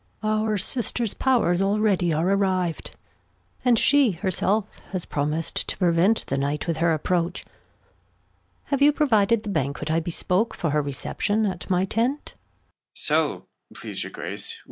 Gon. /^UR Sister's Pow'rs already are arriv'd, VyAnd She herself has promis'd to prevent The Night with her Approach : Have you provided The Banquet I bespoke for her Reception At my Tent ? Att.